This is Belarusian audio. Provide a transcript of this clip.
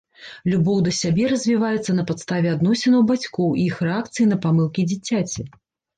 Любоў да сябе развіваецца на падставе адносінаў бацькоў і іх рэакцыі на памылкі дзіцяці.